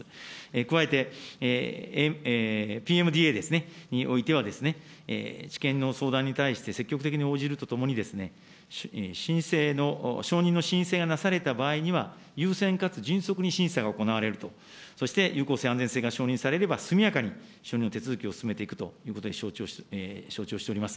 加えて、ＰＭＤＡにおいては、治験の相談に対して、積極的に応じるとともに、申請の、承認の申請がなされた場合には、優先かつ迅速に審査が行われると、そして有効性、安全性が承認されれば、速やかに承認手続きを進めていくということで承知をしております。